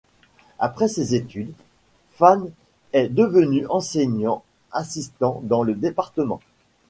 Après ses études, Fan est devenu enseignant assistant dans le département.